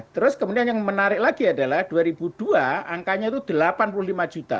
terus kemudian yang menarik lagi adalah dua ribu dua angkanya itu delapan puluh lima juta